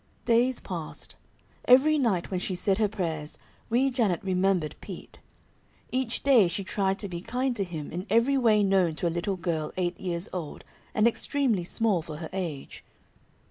'" Days passed. Every night when she said her prayers Wee Janet remembered Pete. Each day she tried to be kind to him in every way known to a little girl eight years old and extremely small for her age.